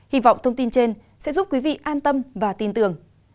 hy vọng thông tin trên sẽ giúp quý vị an tâm và tin tưởng